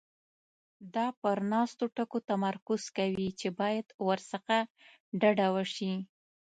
دا پر ناسمو ټکو تمرکز کوي چې باید ورڅخه ډډه وشي.